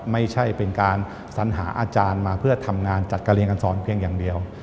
ไม่ใช่เป็นการสัญหาอาจารย์มาเพื่อทำงานจัดการเรียนการสอนเพียงอย่างเดียว